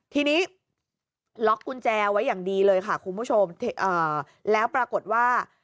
ทีนี้ล็อกกุญแจไว้อย่างดีเลยค่ะคุณผู้ชมแล้วปรากฏว่า